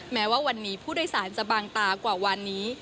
แม้ว่าวันนี้ผู้โดยสารจะบางตากว่าวันนี้